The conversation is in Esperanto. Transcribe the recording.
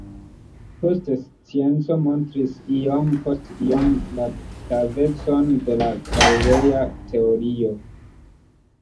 Poste scienco montris iom post iom la pravecon de la Galileja teorio.